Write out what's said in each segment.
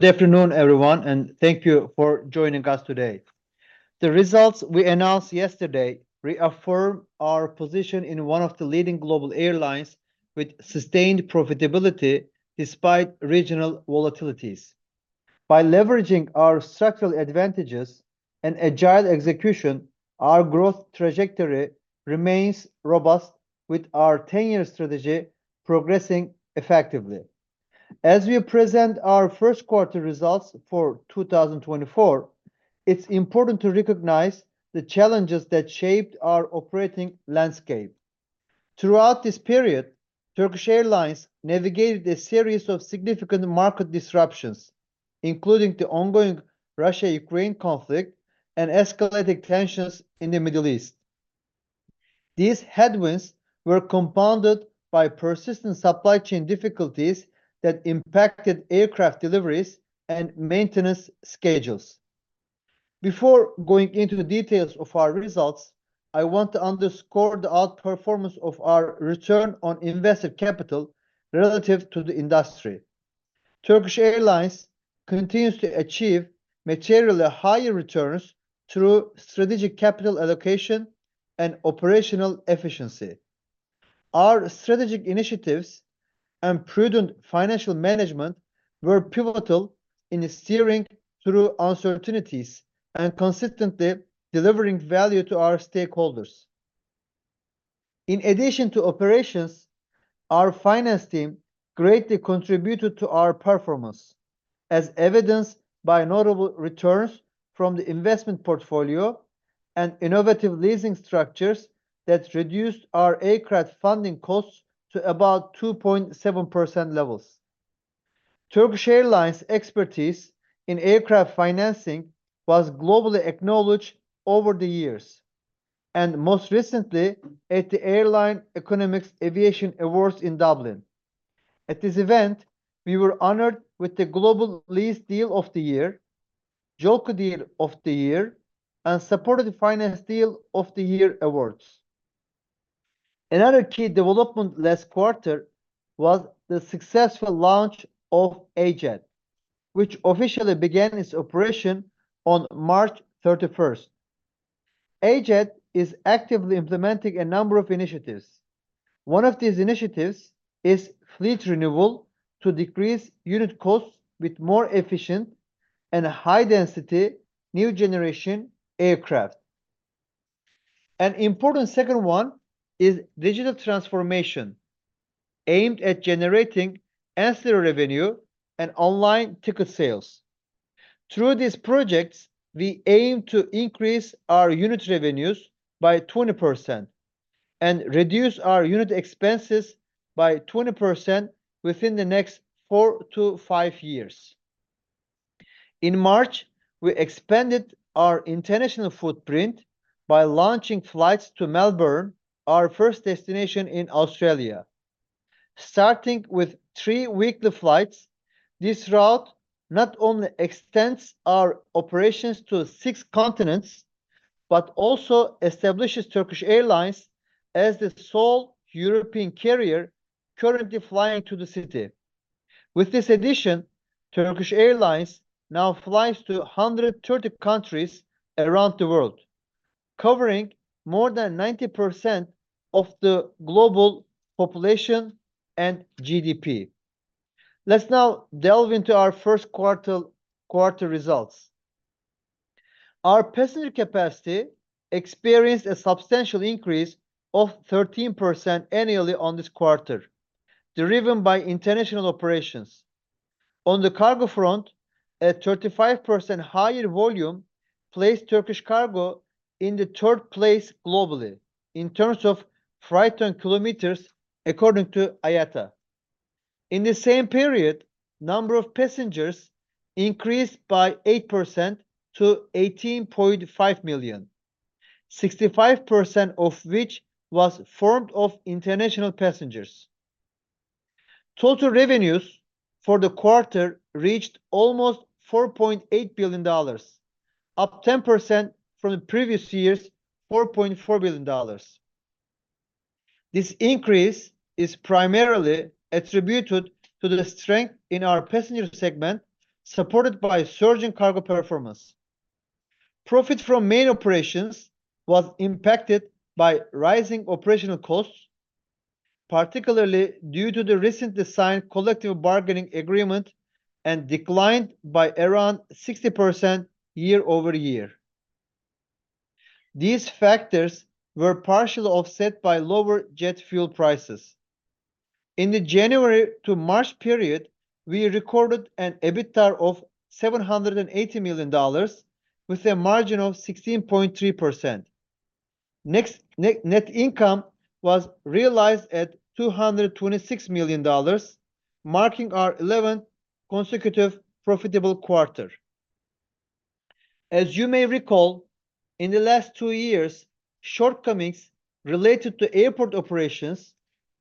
Good afternoon, everyone, and thank you for joining us today. The results we announced yesterday reaffirm our position in one of the leading global airlines with sustained profitability despite regional volatilities. By leveraging our structural advantages and agile execution, our growth trajectory remains robust, with our 10-year strategy progressing effectively. As we present our first quarter results for 2024, it's important to recognize the challenges that shaped our operating landscape. Throughout this period, Turkish Airlines navigated a series of significant market disruptions, including the ongoing Russia-Ukraine conflict and escalating tensions in the Middle East. These headwinds were compounded by persistent supply chain difficulties that impacted aircraft deliveries and maintenance schedules. Before going into the details of our results, I want to underscore the outperformance of our return on invested capital relative to the industry. Turkish Airlines continues to achieve materially higher returns through strategic capital allocation and operational efficiency. Our strategic initiatives and prudent financial management were pivotal in steering through uncertainties and consistently delivering value to our stakeholders. In addition to operations, our finance team greatly contributed to our performance, as evidenced by notable returns from the investment portfolio and innovative leasing structures that reduced our aircraft funding costs to about 2.7% levels. Turkish Airlines' expertise in aircraft financing was globally acknowledged over the years, and most recently, at the Airline Economics Aviation Awards in Dublin. At this event, we were honored with the Global Lease Deal of the Year, JOLCO Deal of the Year, and Supported Finance Deal of the Year awards. Another key development last quarter was the successful launch of AJet, which officially began its operation on March 31. AJet is actively implementing a number of initiatives. One of these initiatives is fleet renewal to decrease unit costs with more efficient and high-density new generation aircraft. An important second one is digital transformation, aimed at generating ancillary revenue and online ticket sales. Through these projects, we aim to increase our unit revenues by 20% and reduce our unit expenses by 20% within the next 4-5 years. In March, we expanded our international footprint by launching flights to Melbourne, our first destination in Australia. Starting with 3 weekly flights, this route not only extends our operations to 6 continents, but also establishes Turkish Airlines as the sole European carrier currently flying to the city. With this addition, Turkish Airlines now flies to 130 countries around the world, covering more than 90% of the global population and GDP. Let's now delve into our first quarter, quarter results. Our passenger capacity experienced a substantial increase of 13% annually on this quarter, driven by international operations. On the cargo front, a 35% higher volume placed Turkish Cargo in the third place globally in terms of freight ton kilometers, according to IATA. In the same period, number of passengers increased by 8% to 18.5 million, 65% of which was formed of international passengers. Total revenues for the quarter reached almost $4.8 billion, up 10% from the previous year's $4.4 billion. This increase is primarily attributed to the strength in our passenger segment, supported by surging cargo performance. Profit from main operations was impacted by rising operational costs, particularly due to the recently signed collective bargaining agreement, and declined by around 60% year-over-year. These factors were partially offset by lower jet fuel prices. In the January to March period, we recorded an EBITDA of $780 million, with a margin of 16.3%. Next, net income was realized at $226 million, marking our 11th consecutive profitable quarter. As you may recall, in the last two years, shortcomings related to airport operations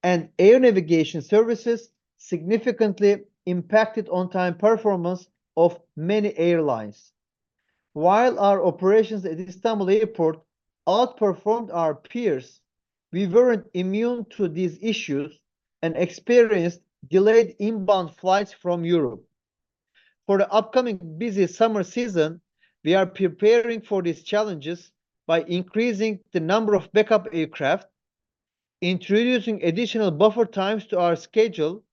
and air navigation services significantly impacted on-time performance of many airlines. While our operations at Istanbul Airport outperformed our peers, we weren't immune to these issues and experienced delayed inbound flights from Europe. For the upcoming busy summer season, we are preparing for these challenges by increasing the number of backup aircraft, introducing additional buffer times to our schedule,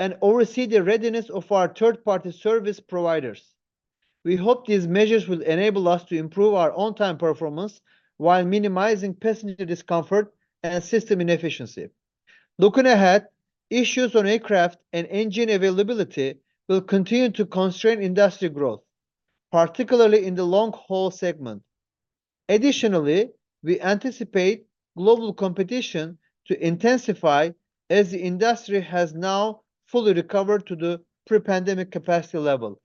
and oversee the readiness of our third-party service providers. We hope these measures will enable us to improve our on-time performance, while minimizing passenger discomfort and system inefficiency. Looking ahead, issues on aircraft and engine availability will continue to constrain industry growth, particularly in the long-haul segment. Additionally, we anticipate global competition to intensify, as the industry has now fully recovered to the pre-pandemic capacity level.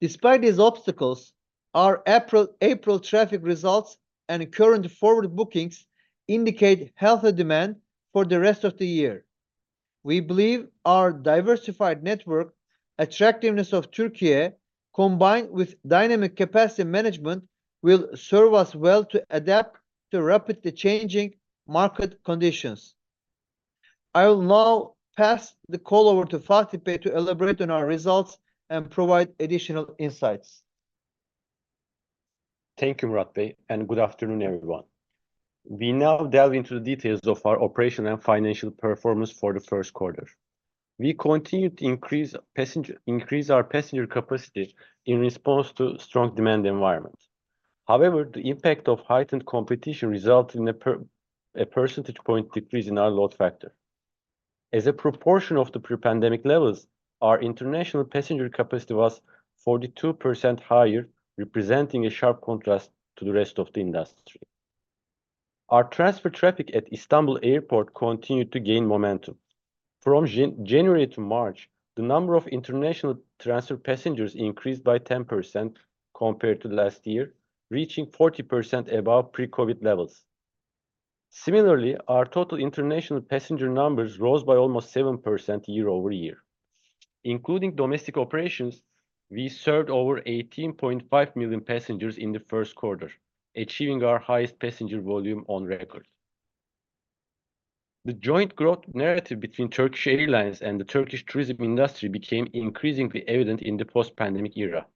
Despite these obstacles, our April traffic results and current forward bookings indicate healthy demand for the rest of the year. We believe our diversified network, attractiveness of Turkey, combined with dynamic capacity management, will serve us well to adapt to rapidly changing market conditions. I will now pass the call over to Fatih Bey to elaborate on our results and provide additional insights. Thank you, Murat Bey, and good afternoon, everyone. We now delve into the details of our operational and financial performance for the first quarter. We continued to increase our passenger capacity in response to strong demand environment. However, the impact of heightened competition resulted in a percentage point decrease in our load factor. As a proportion of the pre-pandemic levels, our international passenger capacity was 42% higher, representing a sharp contrast to the rest of the industry. Our transfer traffic at Istanbul Airport continued to gain momentum. From January to March, the number of international transfer passengers increased by 10% compared to last year, reaching 40% above pre-COVID levels. Similarly, our total international passenger numbers rose by almost 7% year-over-year. Including domestic operations, we served over 18.5 million passengers in the first quarter, achieving our highest passenger volume on record. The joint growth narrative between Turkish Airlines and the Turkish tourism industry became increasingly evident in the post-pandemic era.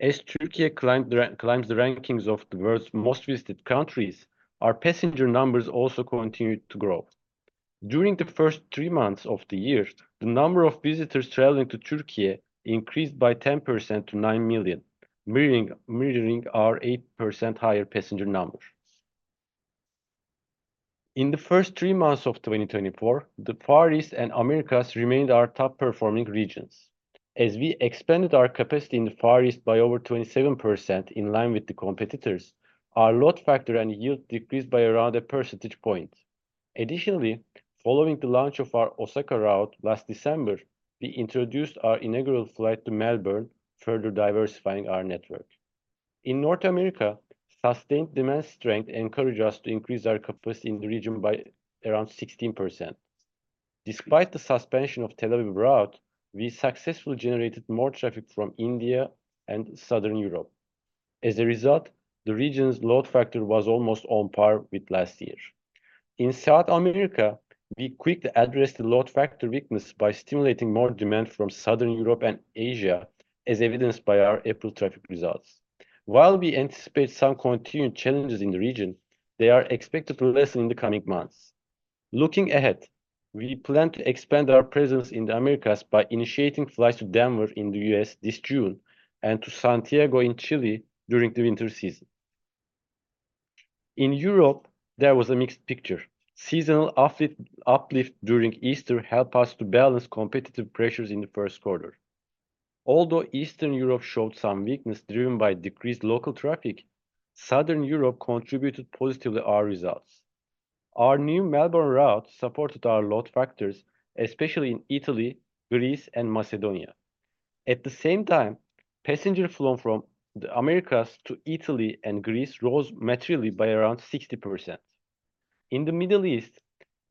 As Turkey climbs the rankings of the world's most visited countries, our passenger numbers also continued to grow. During the first three months of the year, the number of visitors traveling to Turkey increased by 10% to 9 million, mirroring, mirroring our 8% higher passenger numbers. In the first three months of 2024, the Far East and Americas remained our top-performing regions. As we expanded our capacity in the Far East by over 27% in line with the competitors, our load factor and yield decreased by around 1 percentage point. Additionally, following the launch of our Osaka route last December, we introduced our inaugural flight to Melbourne, further diversifying our network. In North America, sustained demand strength encouraged us to increase our capacity in the region by around 16%. Despite the suspension of Tel Aviv route, we successfully generated more traffic from India and Southern Europe. As a result, the region's load factor was almost on par with last year. In South America, we quickly addressed the load factor weakness by stimulating more demand from Southern Europe and Asia, as evidenced by our April traffic results. While we anticipate some continued challenges in the region, they are expected to lessen in the coming months. Looking ahead, we plan to expand our presence in the Americas by initiating flights to Denver in the U.S. this June and to Santiago in Chile during the winter season. In Europe, there was a mixed picture. Seasonal uplift, uplift during Easter helped us to balance competitive pressures in the first quarter. Although Eastern Europe showed some weakness driven by decreased local traffic, Southern Europe contributed positively to our results. Our new Melbourne route supported our load factors, especially in Italy, Greece, and Macedonia. At the same time, passenger flow from the Americas to Italy and Greece rose materially by around 60%. In the Middle East,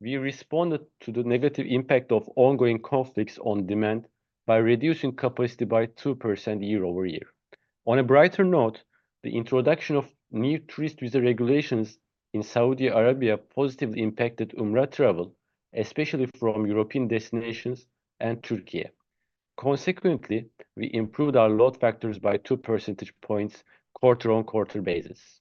we responded to the negative impact of ongoing conflicts on demand by reducing capacity by 2% year-over-year. On a brighter note, the introduction of new tourist visa regulations in Saudi Arabia positively impacted Umrah travel, especially from European destinations and Turkey. Consequently, we improved our load factors by 2 percentage points quarter-on-quarter basis.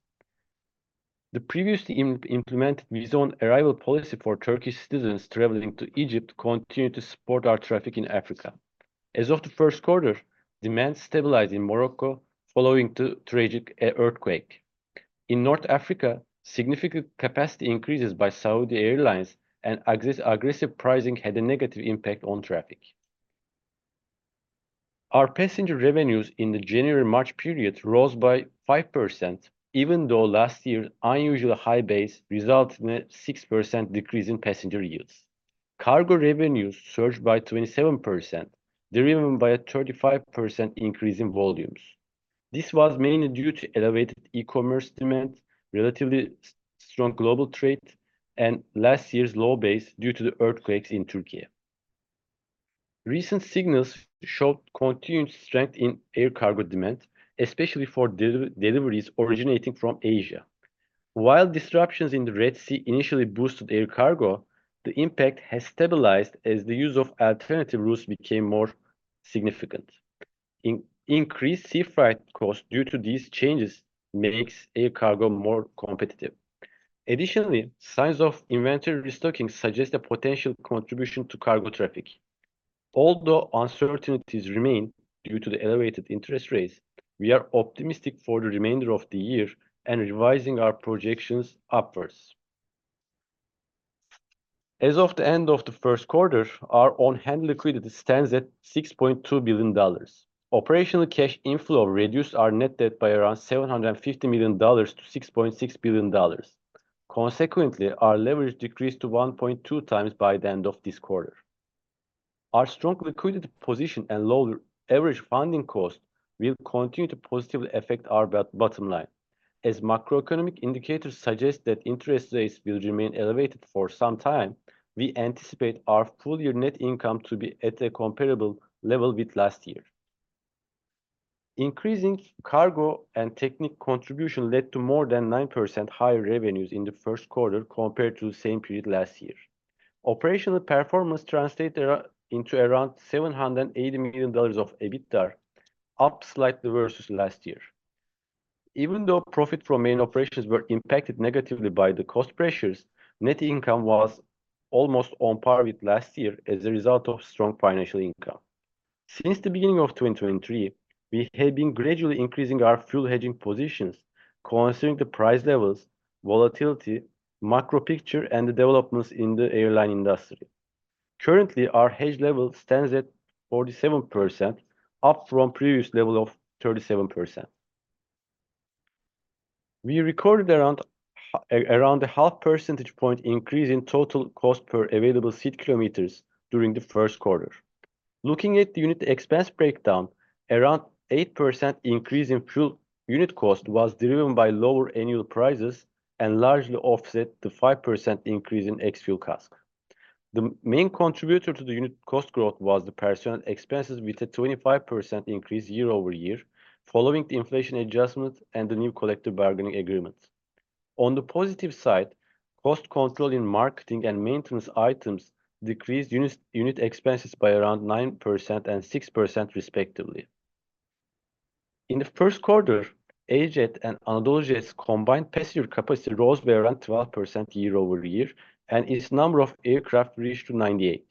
The previously implemented visa on arrival policy for Turkish citizens traveling to Egypt continued to support our traffic in Africa. As of the first quarter, demand stabilized in Morocco following the tragic earthquake. In North Africa, significant capacity increases by Saudi Airlines and aggressive pricing had a negative impact on traffic. Our passenger revenues in the January-March period rose by 5%, even though last year's unusually high base resulted in a 6% decrease in passenger yields. Cargo revenues surged by 27%, driven by a 35% increase in volumes. This was mainly due to elevated e-commerce demand, relatively strong global trade, and last year's low base due to the earthquakes in Turkey. Recent signals show continued strength in air cargo demand, especially for deliveries originating from Asia. While disruptions in the Red Sea initially boosted air cargo, the impact has stabilized as the use of alternative routes became more significant. Increased sea freight costs due to these changes makes air cargo more competitive. Additionally, signs of inventory restocking suggest a potential contribution to cargo traffic. Although uncertainties remain due to the elevated interest rates, we are optimistic for the remainder of the year and revising our projections upwards. As of the end of the first quarter, our on-hand liquidity stands at $6.2 billion. Operational cash inflow reduced our net debt by around $750 million to $6.6 billion. Consequently, our leverage decreased to 1.2 times by the end of this quarter. Our strong liquidity position and lower average funding cost will continue to positively affect our bottom line. As macroeconomic indicators suggest that interest rates will remain elevated for some time, we anticipate our full-year net income to be at a comparable level with last year. Increasing Cargo and Technic contribution led to more than 9% higher revenues in the first quarter compared to the same period last year. Operational performance translated into around $780 million of EBITDA, up slightly versus last year. Even though profit from main operations were impacted negatively by the cost pressures, net income was almost on par with last year as a result of strong financial income. Since the beginning of 2023, we have been gradually increasing our fuel hedging positions, considering the price levels, volatility, macro picture, and the developments in the airline industry. Currently, our hedge level stands at 47%, up from previous level of 37%. We recorded around around a 0.5 percentage point increase in total cost per available seat kilometers during the first quarter. Looking at the unit expense breakdown, around 8% increase in fuel unit cost was driven by lower annual prices and largely offset the 5% increase in ex-fuel CASK. The main contributor to the unit cost growth was the personnel expenses, with a 25% increase year-over-year, following the inflation adjustment and the new collective bargaining agreement. On the positive side, cost control in marketing and maintenance items decreased unit expenses by around 9% and 6% respectively. In the first quarter, AJet and AnadoluJet's combined passenger capacity rose by around 12% year-over-year, and its number of aircraft reached 98.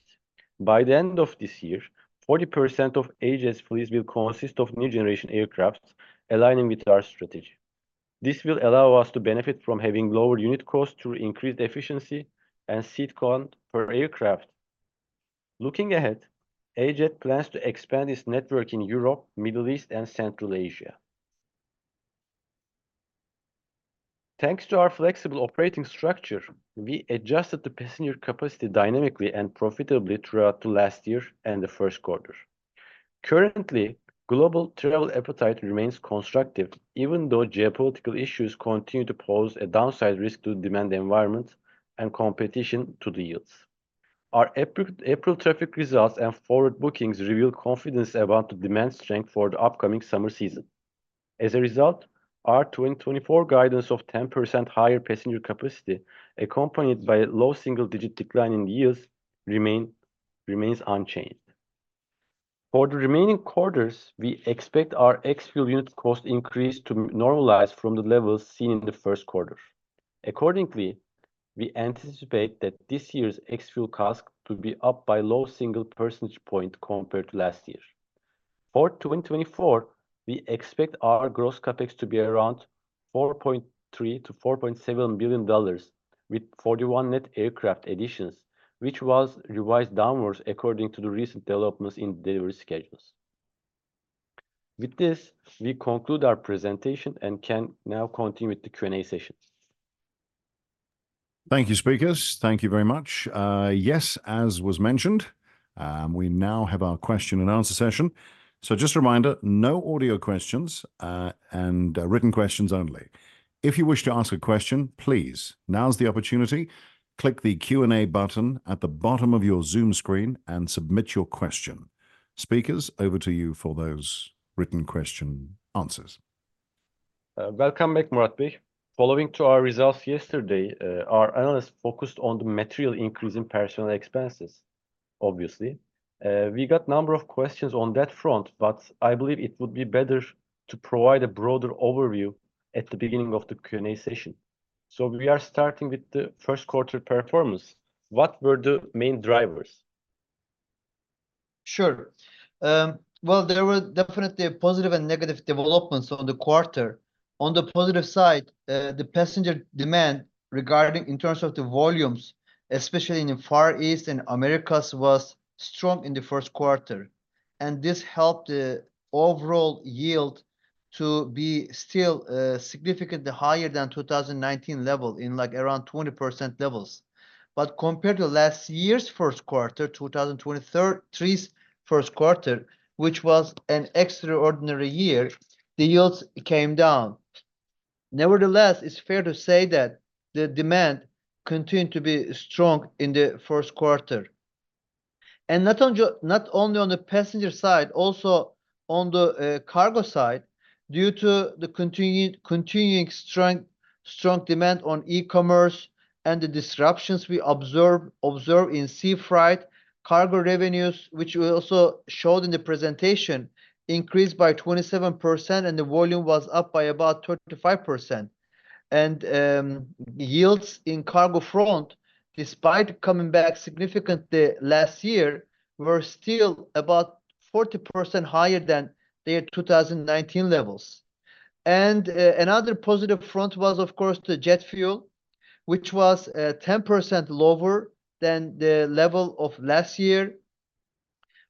By the end of this year, 40% of AJet's fleets will consist of new generation aircraft, aligning with our strategy. This will allow us to benefit from having lower unit costs through increased efficiency and seat count per aircraft. Looking ahead, AJet plans to expand its network in Europe, Middle East, and Central Asia. Thanks to our flexible operating structure, we adjusted the passenger capacity dynamically and profitably throughout the last year and the first quarter. Currently, global travel appetite remains constructive, even though geopolitical issues continue to pose a downside risk to the demand environment and competition to the yields. Our April traffic results and forward bookings reveal confidence about the demand strength for the upcoming summer season. As a result, our 2024 guidance of 10% higher passenger capacity, accompanied by a low single-digit decline in yields, remains unchanged. For the remaining quarters, we expect our ex-fuel unit cost increase to normalize from the levels seen in the first quarter. Accordingly, we anticipate that this year's ex-fuel CASK to be up by low single percentage point compared to last year. For 2024, we expect our gross CapEx to be around $4.3 billion-$4.7 billion, with 41 net aircraft additions, which was revised downwards according to the recent developments in delivery schedules. With this, we conclude our presentation and can now continue with the Q&A session. Thank you, speakers. Thank you very much. Yes, as was mentioned, we now have our question and answer session. So just a reminder, no audio questions, and written questions only. If you wish to ask a question, please, now is the opportunity. Click the Q&A button at the bottom of your Zoom screen and submit your question. Speakers, over to you for those written question answers. Welcome back, Murat Bey.Following to our results yesterday, our analysts focused on the material increase in personnel expenses, obviously. We got a number of questions on that front, but I believe it would be better to provide a broader overview at the beginning of the Q&A session. We are starting with the first quarter performance. What were the main drivers? Sure. Well, there were definitely positive and negative developments on the quarter. On the positive side, the passenger demand regarding in terms of the volumes, especially in the Far East and Americas, was strong in the first quarter, and this helped the overall yield to be still, significantly higher than 2019 level, in like around 20% levels. But compared to last year's first quarter, 2023's first quarter, which was an extraordinary year, the yields came down. Nevertheless, it's fair to say that the demand continued to be strong in the first quarter. And not only, not only on the passenger side, also on the cargo side, due to the continuing strong demand on e-commerce and the disruptions we observe in sea freight, cargo revenues, which we also showed in the presentation, increased by 27%, and the volume was up by about 25%. And yields in cargo front, despite coming back significantly last year, were still about 40% higher than their 2019 levels. And another positive front was, of course, the jet fuel, which was 10% lower than the level of last year.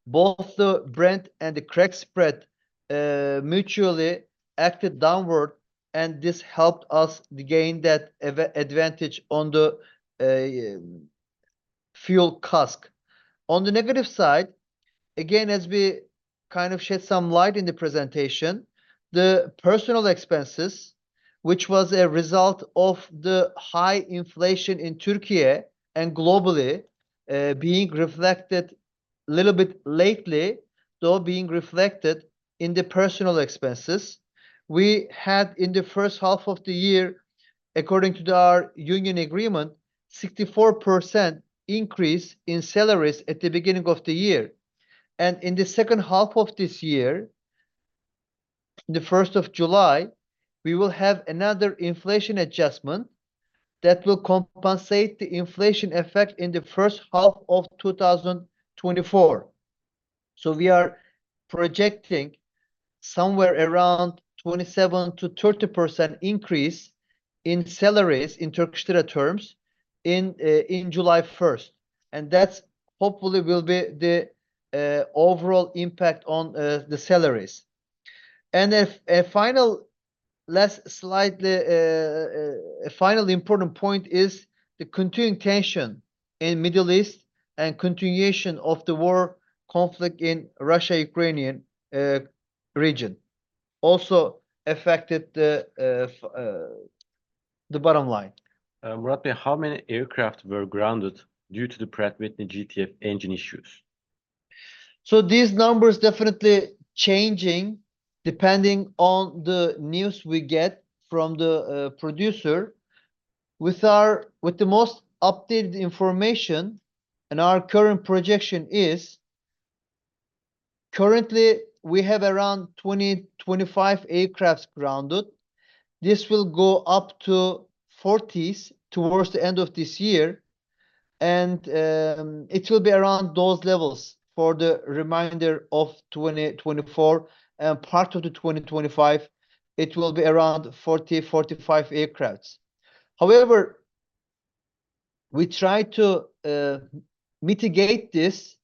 Both the Brent and the Crack Spread mutually acted downward, and this helped us to gain that advantage on the fuel CASK. On the negative side, again, as we kind of shed some light in the presentation, the personal expenses, which was a result of the high inflation in Turkey and globally, being reflected a little bit lately, though being reflected in the personal expenses. We had, in the first half of the year, according to our union agreement, 64% increase in salaries at the beginning of the year. And in the second half of this year, the 1st of July, we will have another inflation adjustment that will compensate the inflation effect in the first half of 2024. So we are projecting somewhere around 27%-30% increase in salaries, in Turkish lira terms, in, in July 1st, and that's hopefully will be the, overall impact on, the salaries. A final important point is the continuing tension in the Middle East and continuation of the war conflict in the Russia-Ukraine region also affected the bottom line. Murat, how many aircraft were grounded due to the Pratt & Whitney GTF engine issues? So these numbers definitely changing depending on the news we get from the producer. With the most updated information, and our current projection is, currently, we have around 20-25 aircrafts grounded. This will go up to 40 towards the end of this year, and it will be around those levels for the remainder of 2024 and part of the 2025. It will be around 40-45 aircraft. However, we try to mitigate this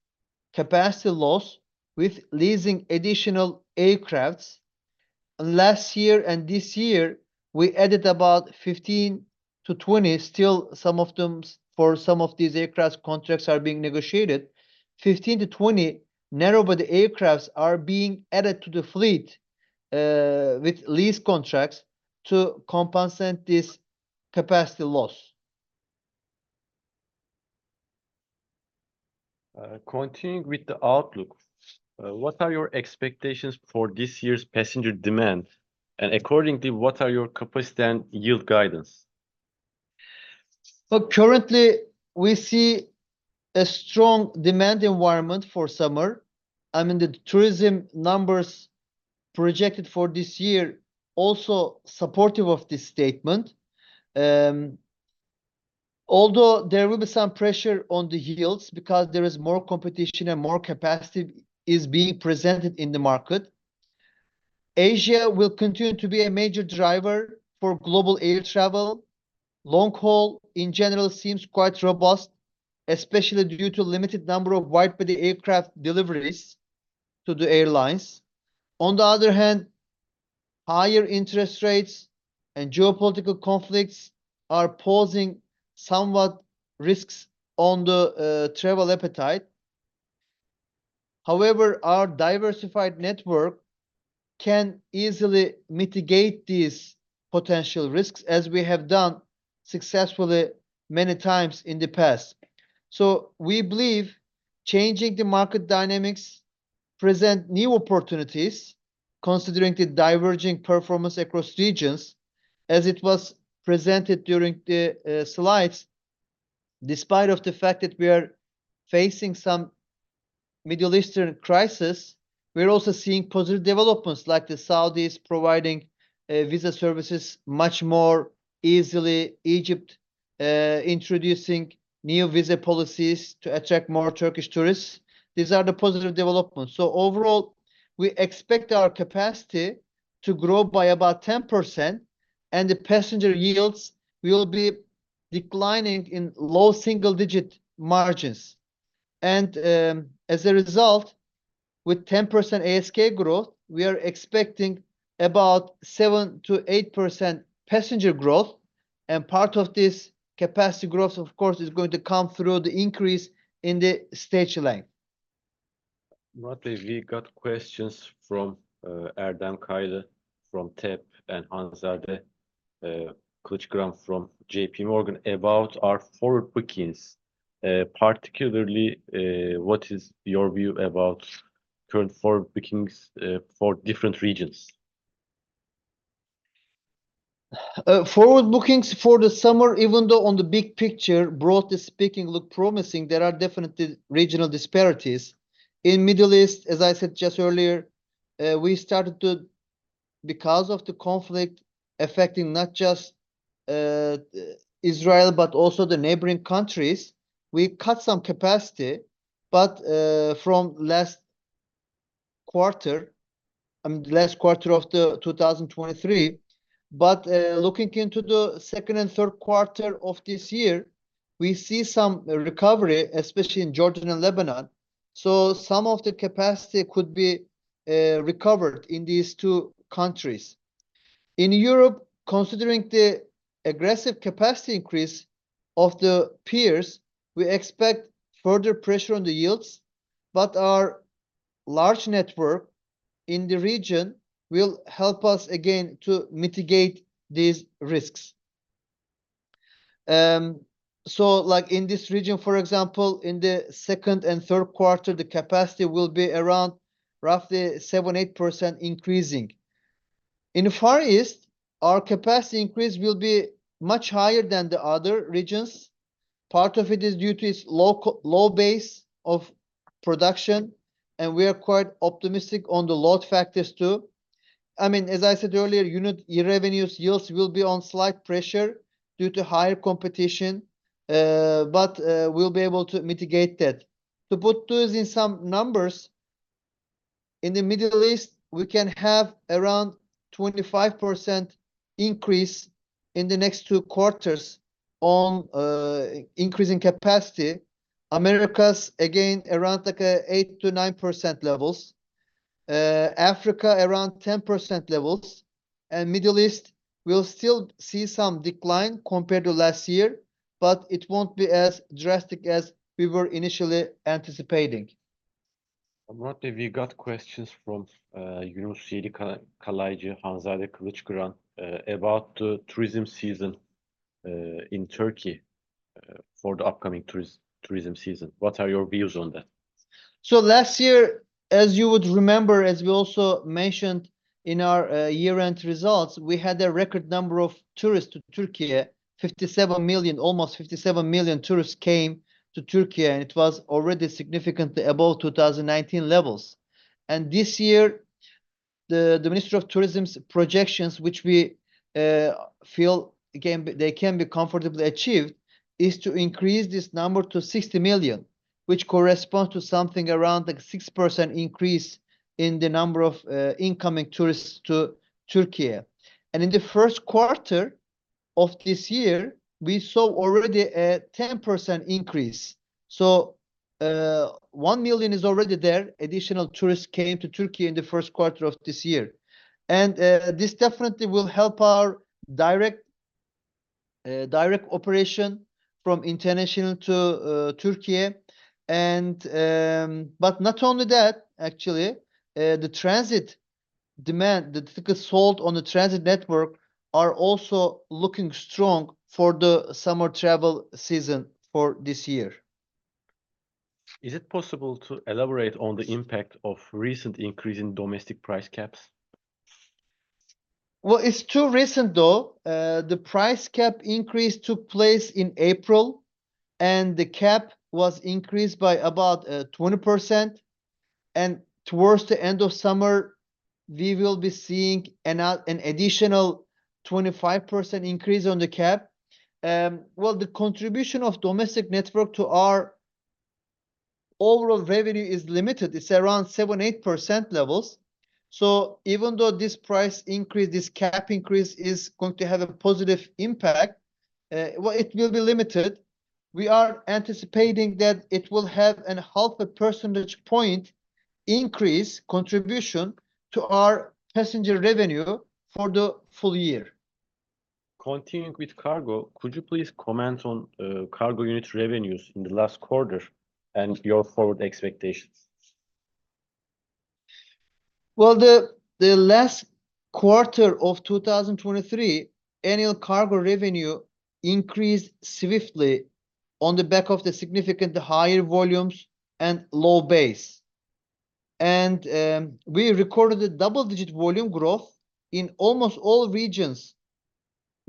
capacity loss with leasing additional aircrafts. Last year and this year, we added about 15-20. Still some of them, for some of these aircraft contracts are being negotiated. 15-20 narrow-body aircrafts are being added to the fleet with lease contracts to compensate this capacity loss. Continuing with the outlook, what are your expectations for this year's passenger demand? And accordingly, what are your capacity and yield guidance? Look, currently, we see a strong demand environment for summer, and the tourism numbers projected for this year also supportive of this statement. Although there will be some pressure on the yields because there is more competition and more capacity is being presented in the market. Asia will continue to be a major driver for global air travel. Long haul, in general, seems quite robust, especially due to limited number of wide-body aircraft deliveries to the airlines. On the other hand, higher interest rates and geopolitical conflicts are posing somewhat risks on the travel appetite. However, our diversified network can easily mitigate these potential risks, as we have done successfully many times in the past. So we believe changing the market dynamics present new opportunities, considering the diverging performance across regions, as it was presented during the slides. Despite of the fact that we are facing some Middle Eastern crisis, we're also seeing positive developments, like the Saudis providing visa services much more easily, Egypt introducing new visa policies to attract more Turkish tourists. These are the positive developments. So overall, we expect our capacity to grow by about 10%, and the passenger yields will be declining in low single-digit margins. And, as a result, with 10% ASK growth, we are expecting about 7%-8% passenger growth, and part of this capacity growth, of course, is going to come through the increase in the stage length. ... Murat, we got questions from Erdem Kaynar from TEB, and Hanzade Kılıçkıran from J.P. Morgan about our forward bookings. Particularly, what is your view about current forward bookings for different regions? Forward bookings for the summer, even though on the big picture, broadly speaking, look promising, there are definitely regional disparities. In Middle East, as I said just earlier, we started to, because of the conflict affecting not just, Israel, but also the neighboring countries, we cut some capacity. But, from last quarter, last quarter of 2023, but, looking into the second and third quarter of this year, we see some recovery, especially in Jordan and Lebanon. So some of the capacity could be, recovered in these two countries. In Europe, considering the aggressive capacity increase of the peers, we expect further pressure on the yields, but our large network in the region will help us again to mitigate these risks. So like in this region, for example, in the second and third quarter, the capacity will be around roughly 7-8% increasing. In the Far East, our capacity increase will be much higher than the other regions. Part of it is due to its low base of production, and we are quite optimistic on the load factors, too. I mean, as I said earlier, unit revenues, yields will be on slight pressure due to higher competition, but we'll be able to mitigate that. To put those in some numbers, in the Middle East, we can have around 25% increase in the next two quarters on increasing capacity. Americas, again, around like 8-9% levels. Africa, around 10% levels. Middle East will still see some decline compared to last year, but it won't be as drastic as we were initially anticipating. Murat, we got questions from Yunus Kalaycı, Hanzade Kılıçkıran about the tourism season in Turkey for the upcoming tourism season. What are your views on that? So last year, as you would remember, as we also mentioned in our year-end results, we had a record number of tourists to Turkey. 57 million, almost 57 million tourists came to Turkey, and it was already significantly above 2019 levels. And this year, the Ministry of Tourism's projections, which we feel can be, they can be comfortably achieved, is to increase this number to 60 million, which corresponds to something around like 6% increase in the number of incoming tourists to Turkey. And in the first quarter of this year, we saw already a 10% increase. So, 1 million is already there, additional tourists came to Turkey in the first quarter of this year. And, this definitely will help our direct, direct operation from international to Turkey. But not only that, actually, the transit demand, the tickets sold on the transit network are also looking strong for the summer travel season for this year. Is it possible to elaborate on the impact of recent increase in domestic price caps? Well, it's too recent, though. The price cap increase took place in April, and the cap was increased by about 20%, and towards the end of summer, we will be seeing an additional 25% increase on the cap. Well, the contribution of domestic network to our overall revenue is limited. It's around 7-8% levels. So even though this price increase, this cap increase, is going to have a positive impact, well, it will be limited. We are anticipating that it will have a 0.5 percentage point increase contribution to our passenger revenue for the full year. Continuing with cargo, could you please comment on cargo unit revenues in the last quarter and your forward expectations? Well, the last quarter of 2023, annual cargo revenue increased swiftly on the back of the significant higher volumes and low base. And we recorded a double-digit volume growth in almost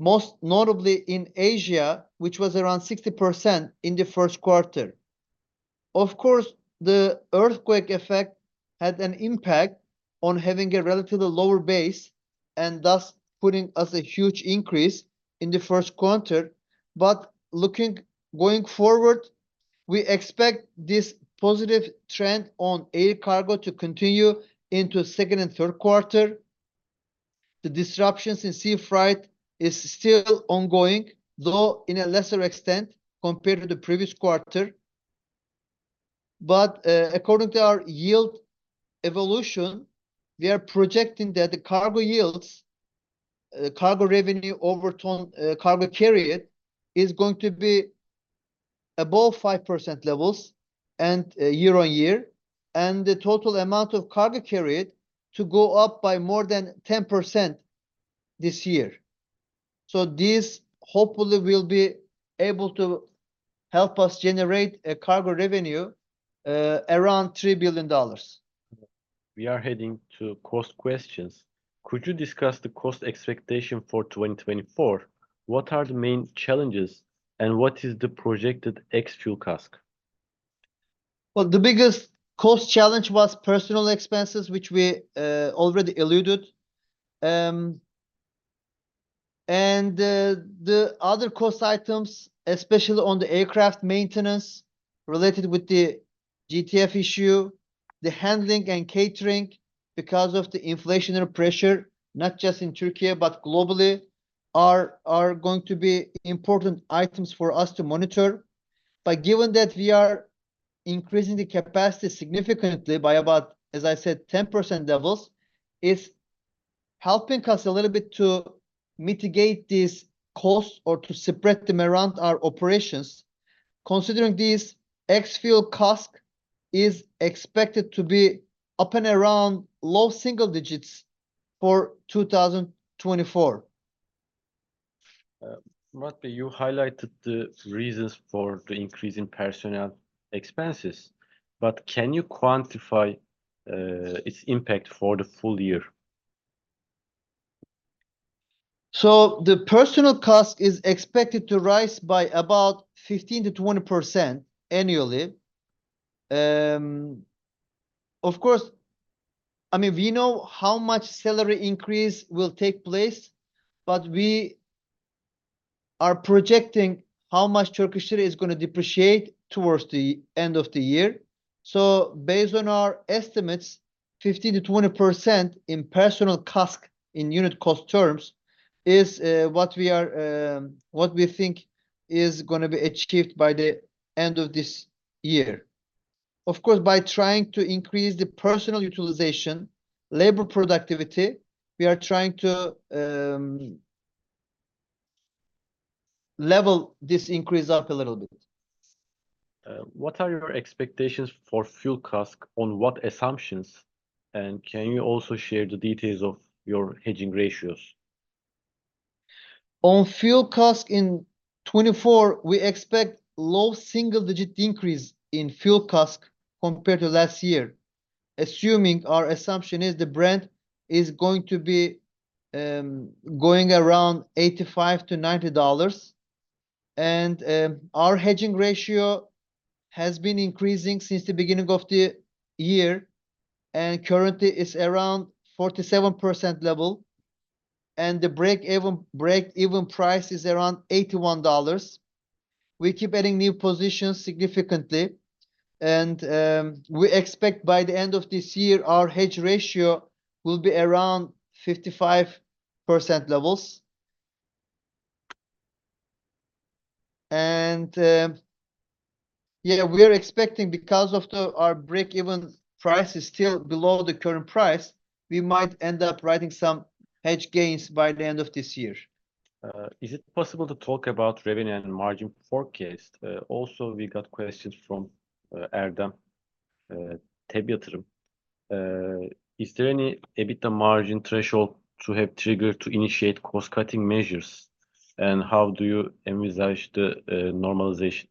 all regions, most notably in Asia, which was around 60% in the first quarter. Of course, the earthquake effect had an impact on having a relatively lower base, and thus putting us a huge increase in the first quarter. But looking, going forward, we expect this positive trend on air cargo to continue into second and third quarter. The disruptions in sea freight is still ongoing, though in a lesser extent compared to the previous quarter. But according to our yield evolution, we are projecting that the cargo yields-... Cargo revenue per ton, cargo yield is going to be above 5% levels and, year on year, and the total amount of cargo to go up by more than 10% this year. So this hopefully will be able to help us generate a cargo revenue around $3 billion. We are heading to cost questions. Could you discuss the cost expectation for 2024? What are the main challenges, and what is the projected ex-fuel CASK? Well, the biggest cost challenge was personal expenses, which we already alluded. And, the other cost items, especially on the aircraft maintenance related with the GTF issue, the handling and catering, because of the inflationary pressure, not just in Turkey, but globally, are going to be important items for us to monitor. But given that we are increasing the capacity significantly by about, as I said, 10% levels, is helping us a little bit to mitigate these costs or to spread them around our operations. Considering this, ex-fuel CASK is expected to be up and around low single digits for 2024. Murat, you highlighted the reasons for the increase in personnel expenses, but can you quantify its impact for the full year? So the personal cost is expected to rise by about 15%-20% annually. Of course, I mean, we know how much salary increase will take place, but we are projecting how much Turkish lira is gonna depreciate towards the end of the year. So based on our estimates, 15%-20% in personal CASK, in unit cost terms, is what we are, what we think is gonna be achieved by the end of this year. Of course, by trying to increase the personal utilization, labor productivity, we are trying to level this increase up a little bit. What are your expectations for fuel CASK, on what assumptions, and can you also share the details of your hedging ratios? On fuel CASK, in 2024, we expect low single-digit increase in fuel CASK compared to last year, assuming our assumption is the Brent is going to be around $85-$90. Our hedging ratio has been increasing since the beginning of the year, and currently is around 47% level, and the break-even price is around $81. We keep adding new positions significantly, and we expect by the end of this year, our hedge ratio will be around 55% levels. Yeah, we are expecting, because our break-even price is still below the current price, we might end up writing some hedge gains by the end of this year. Is it possible to talk about revenue and margin forecast? Also, we got questions from Erdem, TEB Yatırım. Is there any EBITDA margin threshold to have triggered to initiate cost-cutting measures, and how do you envisage the normalization?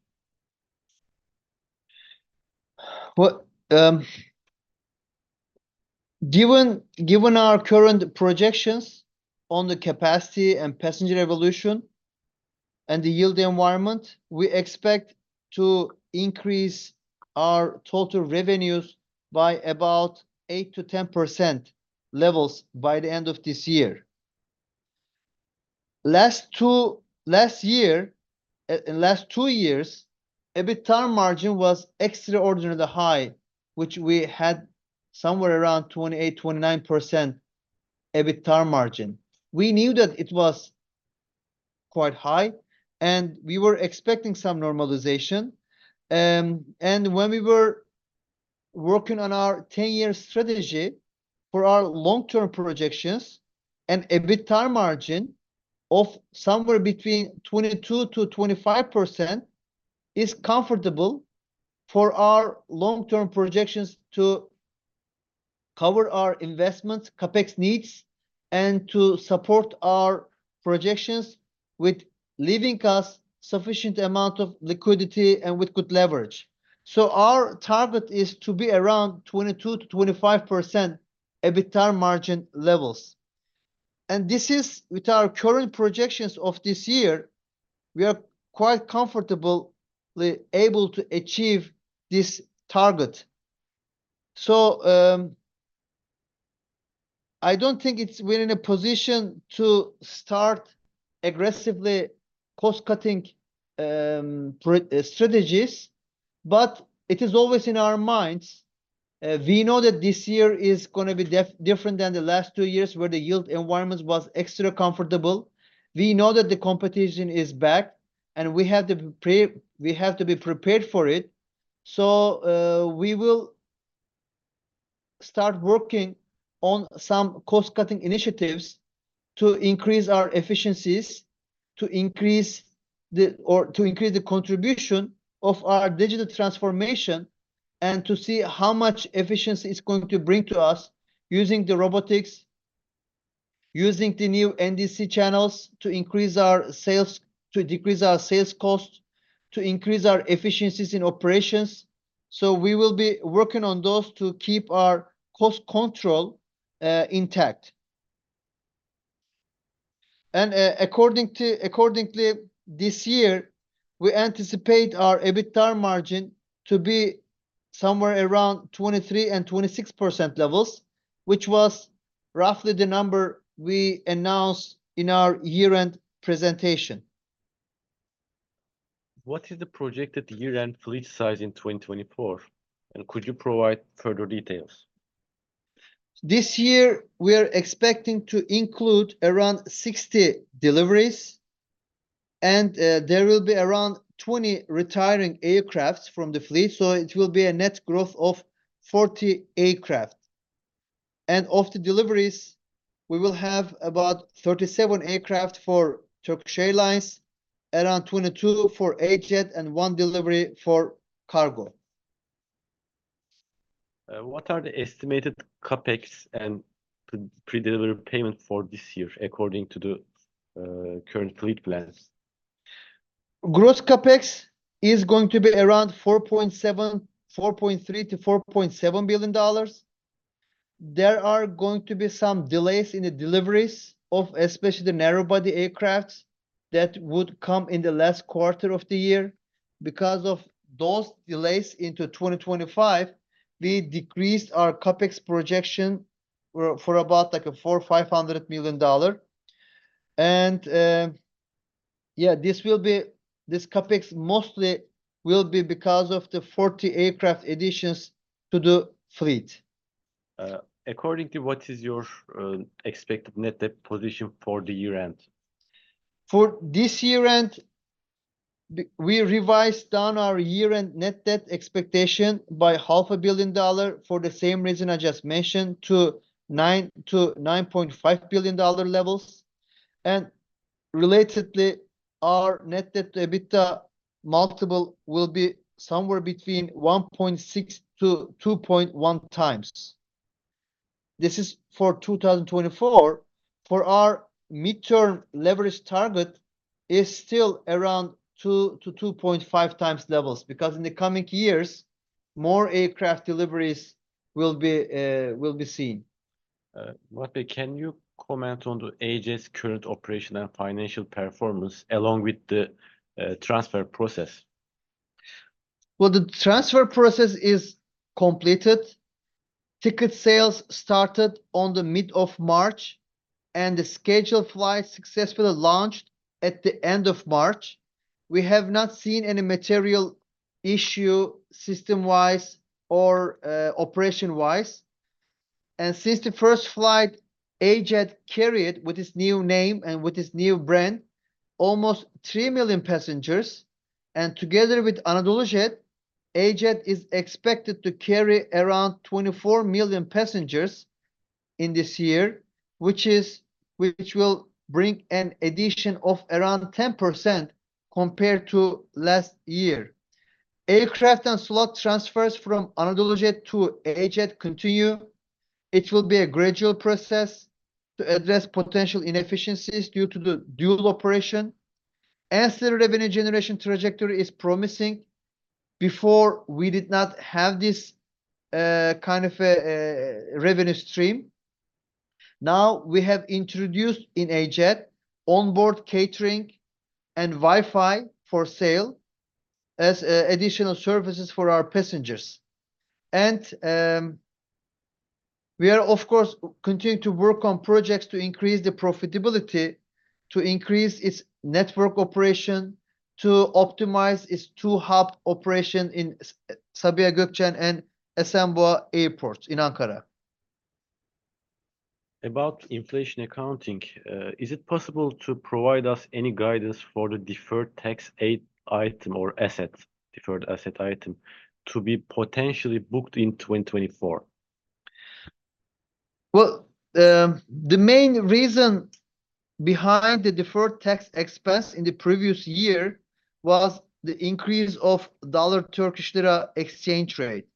Well, given our current projections on the capacity and passenger evolution and the yield environment, we expect to increase our total revenues by about 8%-10% levels by the end of this year. In the last two years, EBITDA margin was extraordinarily high, which we had somewhere around 28%-29% EBITDA margin. We knew that it was quite high, and we were expecting some normalization. And when we were working on our 10-year strategy for our long-term projections, an EBITDA margin of somewhere between 22%-25% is comfortable for our long-term projections to cover our investments, CapEx needs, and to support our projections with leaving us sufficient amount of liquidity and with good leverage. So our target is to be around 22%-25% EBITDA margin levels. And this is, with our current projections of this year, we are quite comfortably able to achieve this target. So, I don't think it's we're in a position to start aggressively cost-cutting, strategies, but it is always in our minds. We know that this year is gonna be different than the last two years, where the yield environment was extra comfortable. We know that the competition is back, and we have to we have to be prepared for it, so, we start working on some cost-cutting initiatives to increase our efficiencies, to increase the, or to increase the contribution of our digital transformation, and to see how much efficiency it's going to bring to us using the robotics, using the new NDC channels to increase our sales, to decrease our sales cost, to increase our efficiencies in operations. So we will be working on those to keep our cost control intact. And accordingly, this year, we anticipate our EBITDA margin to be somewhere around 23%-26% levels, which was roughly the number we announced in our year-end presentation. What is the projected year-end fleet size in 2024, and could you provide further details? This year, we are expecting to include around 60 deliveries, and there will be around 20 retiring aircraft from the fleet, so it will be a net growth of 40 aircraft. Of the deliveries, we will have about 37 aircraft for Turkish Airlines, around 22 for AJet, and one delivery for cargo. What are the estimated CapEx and pre-delivery payment for this year, according to the current fleet plans? Gross CapEx is going to be around $4.7-$4.3 to $4.7 billion. There are going to be some delays in the deliveries of especially the narrow-body aircrafts that would come in the last quarter of the year. Because of those delays into 2025, we decreased our CapEx projection for about, like, a $400-$500 million. And, yeah, this CapEx mostly will be because of the 40 aircraft additions to the fleet. Accordingly, what is your expected net debt position for the year-end? For this year-end, we revised down our year-end net debt expectation by $500 million for the same reason I just mentioned, to $9-$9.5 billion levels. Relatedly, our net debt EBITDA multiple will be somewhere between 1.6x-2.1x. This is for 2024. For our midterm leverage target, is still around 2x-2.5x levels, because in the coming years, more aircraft deliveries will be, will be seen. Murat Bey, can you comment on the AJet's current operational and financial performance, along with the transfer process? Well, the transfer process is completed. Ticket sales started on the mid of March, and the scheduled flight successfully launched at the end of March. We have not seen any material issue, system-wise or operation-wise. And since the first flight, AJet carried, with its new name and with its new brand, almost 3 million passengers, and together with AnadoluJet, AJet is expected to carry around 24 million passengers in this year, which will bring an addition of around 10% compared to last year. Aircraft and slot transfers from AnadoluJet to AJet continue. It will be a gradual process to address potential inefficiencies due to the dual operation, as the revenue generation trajectory is promising. Before, we did not have this kind of a revenue stream. Now, we have introduced in AJet onboard catering and Wi-Fi for sale as additional services for our passengers. We are, of course, continuing to work on projects to increase the profitability, to increase its network operation, to optimize its two hub operation in Sabiha Gökçen and Esenboğa Airports in Ankara. About inflation accounting, is it possible to provide us any guidance for the deferred tax asset item or asset, deferred asset item, to be potentially booked in 2024? Well, the main reason behind the deferred tax expense in the previous year was the increase of dollar Turkish lira exchange rate.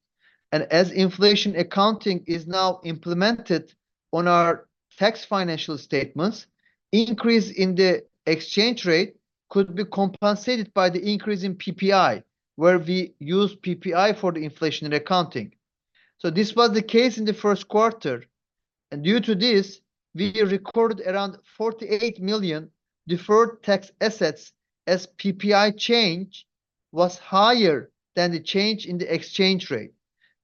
And as inflation accounting is now implemented on our tax financial statements, increase in the exchange rate could be compensated by the increase in PPI, where we use PPI for the inflation in accounting. So this was the case in the first quarter, and due to this, we recorded around $48 million deferred tax assets, as PPI change was higher than the change in the exchange rate.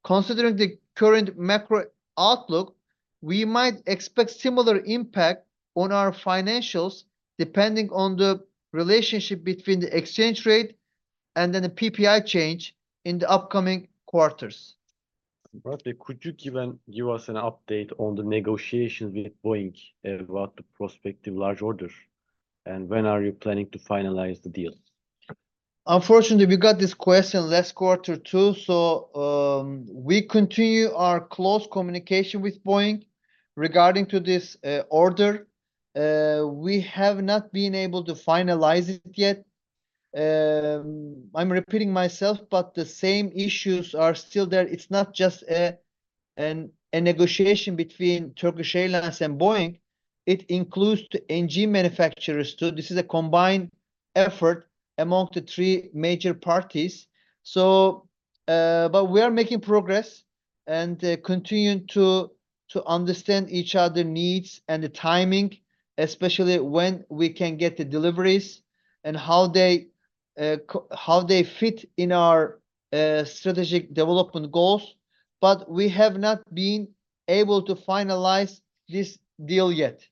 Considering the current macro outlook, we might expect similar impact on our financials, depending on the relationship between the exchange rate and then the PPI change in the upcoming quarters. Murak Bey, could you give us an update on the negotiations with Boeing about the prospective large orders, and when are you planning to finalize the deal?... Unfortunately, we got this question last quarter, too, so we continue our close communication with Boeing regarding to this order. We have not been able to finalize it yet. I'm repeating myself, but the same issues are still there. It's not just a negotiation between Turkish Airlines and Boeing, it includes the engine manufacturers, too. This is a combined effort among the three major parties. So but we are making progress, and continuing to understand each other needs and the timing, especially when we can get the deliveries, and how they fit in our strategic development goals, but we have not been able to finalize this deal yet.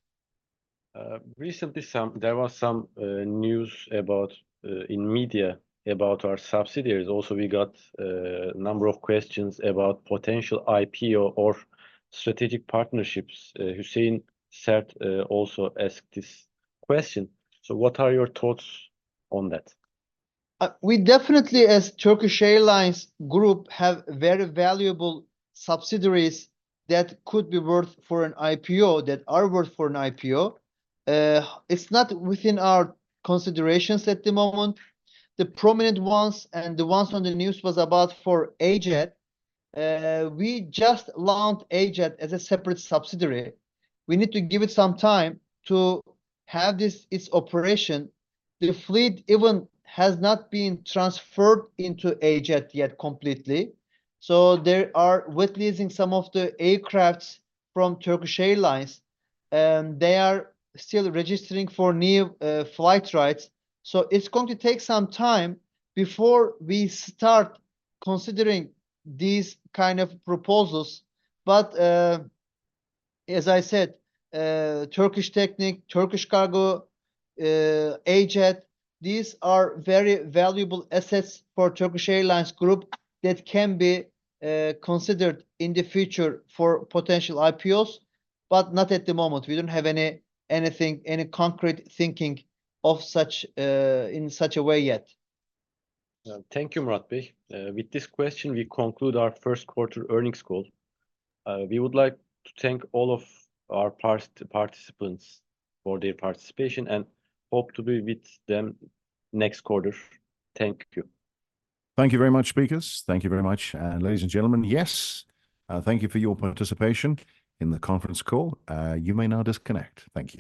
Recently, there was some news in the media about our subsidiaries. Also, we got a number of questions about potential IPO or strategic partnerships. Hüseyin Sert also asked this question. So what are your thoughts on that? We definitely, as Turkish Airlines Group, have very valuable subsidiaries that could be worth for an IPO, that are worth for an IPO. It's not within our considerations at the moment. The prominent ones, and the ones on the news, was about for AnadoluJet. We just launched AnadoluJet as a separate subsidiary. We need to give it some time to have its operation. The fleet even has not been transferred into AnadoluJet yet completely, so they are wet leasing some of the aircraft from Turkish Airlines, and they are still registering for new flight rights. So it's going to take some time before we start considering these kind of proposals, but, as I said, Turkish Technic, Turkish Cargo, AnadoluJet, these are very valuable assets for Turkish Airlines Group that can be, considered in the future for potential IPOs, but not at the moment. We don't have anything, any concrete thinking of such, in such a way yet. Thank you, Murat Bey. With this question, we conclude our first quarter earnings call. We would like to thank all of our participants for their participation, and hope to be with them next quarter. Thank you. Thank you very much, speakers. Thank you very much, ladies and gentlemen. Yes, thank you for your participation in the conference call. You may now disconnect. Thank you.